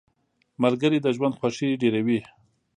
• ملګري د ژوند خوښي ډېروي.